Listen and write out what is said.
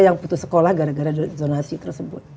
yang putus sekolah gara gara zonasi tersebut